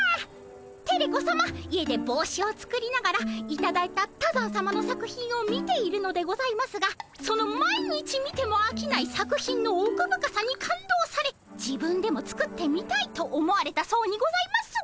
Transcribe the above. テレ子さま家で帽子を作りながらいただいた多山さまの作品を見ているのでございますがその毎日見てもあきない作品の奥深さに感動され自分でも作ってみたいと思われたそうにございます。